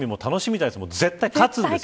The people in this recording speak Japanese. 絶対勝つんです。